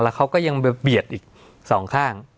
เขาก็ยังไปเบียดอีกสองข้าง